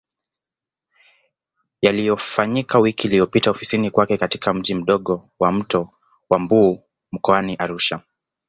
Yaliyofanyika wiki iliyopita ofisini kwake katika Mji mdogo wa Mto wa Mbu mkoani Arusha